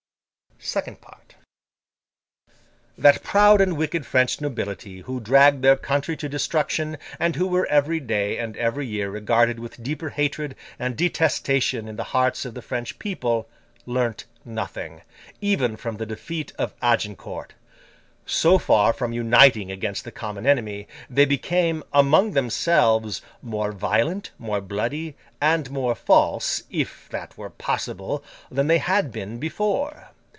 SECOND PART That proud and wicked French nobility who dragged their country to destruction, and who were every day and every year regarded with deeper hatred and detestation in the hearts of the French people, learnt nothing, even from the defeat of Agincourt. So far from uniting against the common enemy, they became, among themselves, more violent, more bloody, and more false—if that were possible—than they had been before.